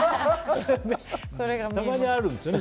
たまにあるんですよね。